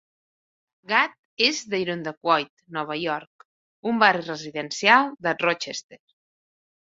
Gadd és de Irondequoit, Nova York, un barri residencial de Rochester.